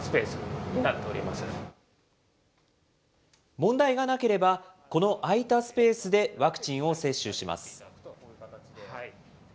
問題がなければ、この空いたスペースで、ワクチンを接種します。